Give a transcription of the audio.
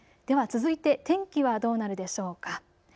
では続いて天気はどうなるでしょうか。